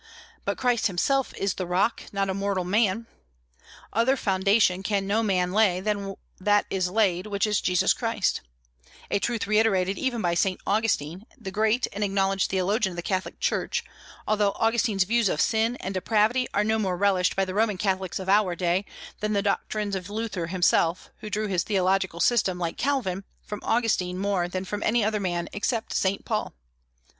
But Christ himself is the rock, not a mortal man. "Other foundation can no man lay than that is laid, which is Jesus Christ," a truth reiterated even by Saint Augustine, the great and acknowledged theologian of the Catholic Church, although Augustine's views of sin and depravity are no more relished by the Roman Catholics of our day than the doctrines of Luther himself, who drew his theological system, like Calvin, from Augustine more than from any other man, except Saint Paul.